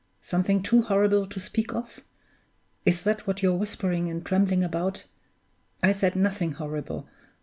Something too horrible to speak of? Is that what you're whispering and trembling about? I said nothing horrible.